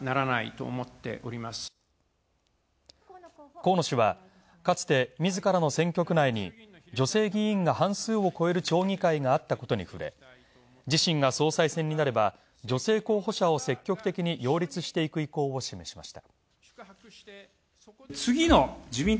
河野氏はかつて、自らの選挙区内に女性議員が半数を超える町議会があったことに触れ、自身が総裁になれば女性候補者を積極的に擁立していく意向を示しました。